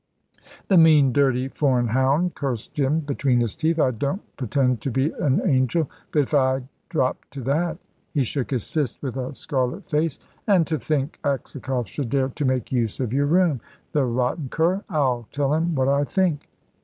"The mean, dirty, foreign hound," cursed Jim, between his teeth. "I don't pretend to be an angel, but if I'd dropped to that " he shook his fist with a scarlet face. "An' to think Aksakoff should dare to make use of your room the rotten cur. I'll tell him what I think."